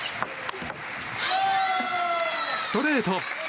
ストレート！